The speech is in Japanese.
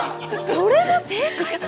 それも正解じゃ？